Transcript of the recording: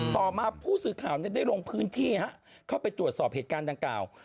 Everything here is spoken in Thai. ต่อมาผู้สื่อข่าวได้ลงพื้นที่เข้าไปตรวจสอบเหตุการณ์ดังกล่าว